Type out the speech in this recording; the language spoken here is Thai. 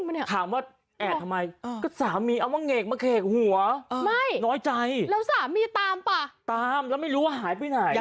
ไม่๔วันไม่กินอะไรเลย